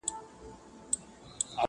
په کمال کي د خبرو یک تنها وو٫